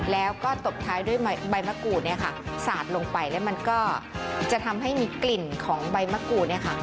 แล้วก็ตบท้ายด้วยใบมะกรูดเนี่ยค่ะสาดลงไปแล้วมันก็จะทำให้มีกลิ่นของใบมะกรูดเนี่ยค่ะ